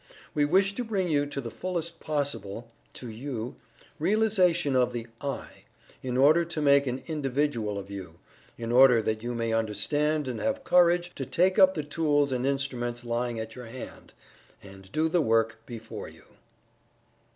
We wish to bring you to the fullest possible (to you) realization of the "I," in order to make an Individual of you in order that you may understand, and have courage to take up the tools and instruments lying at your hand, and do the work before you.